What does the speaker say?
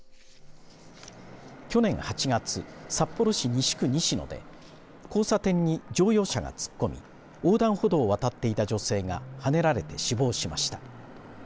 去年８月札幌市西区西野で交差点に乗用車が突っ込み横断歩道を渡っていた女性がはねられて死亡しました。